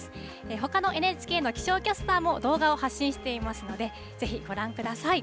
ほかのＮＨＫの気象キャスターも動画を発信していますので、ぜひご覧ください。